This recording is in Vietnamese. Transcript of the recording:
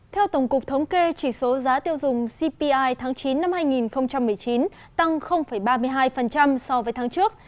theo tổng cục thống kê chỉ số giá tiêu dùng cpi tháng chín năm hai nghìn một mươi chín tăng ba mươi hai so với tháng trước